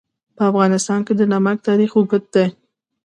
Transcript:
په افغانستان کې د نمک تاریخ اوږد دی.